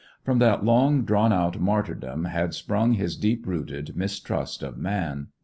From that long drawn out martyrdom had sprung his deep rooted mistrust of man.